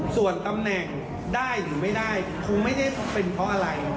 ส่วนตำแหน่งได้หรือไม่ได้คงไม่ได้เป็นเพราะอะไร